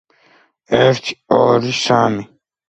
შეუსიეს სოფელს თათრები და ხალხს მთელ სარჩო-საბადებელი წაართვეს